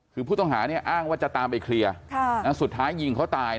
คือผู้ต้องหาเนี่ยอ้างว่าจะตามไปเคลียร์สุดท้ายยิงเขาตาย